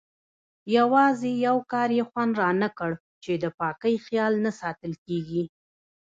یوازې یو کار یې خوند رانه کړ چې د پاکۍ خیال نه ساتل کېږي.